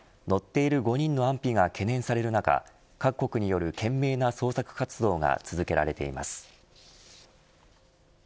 乗っている５人の安否が懸念される中各国による懸命な捜索活動が続けられています。